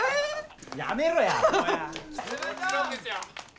やめろや！